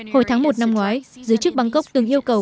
hồi tháng một năm ngoái giới chức bangkok từng yêu cầu